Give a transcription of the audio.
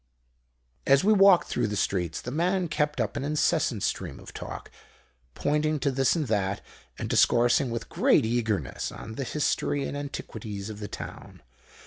"As we walked through the streets the man kept up an incessant stream of talk, pointing to this and that, and discoursing with great eagerness on the history and antiquities of the town.